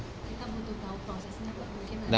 kita butuh tahu prosesnya pak mungkin